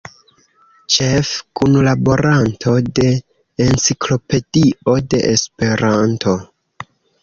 Ĉefkunlaboranto de "Enciklopedio de Esperanto".